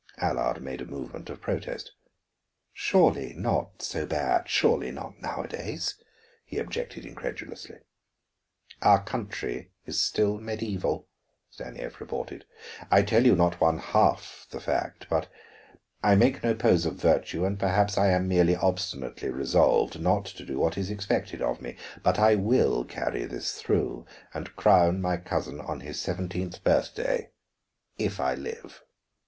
Allard made a movement of protest. "Surely not so bad, surely not nowadays," he objected incredulously. "Our country is still medieval," Stanief retorted. "I tell you not one half the fact. But, I make no pose of virtue and perhaps I am merely obstinately resolved not to do what is expected of me, but I will carry this through and crown my cousin on his seventeenth birthday, if I live."